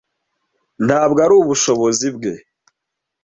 Ntabwo ari ubushobozi bwe,